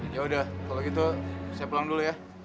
ya udah kalau gitu saya pulang dulu ya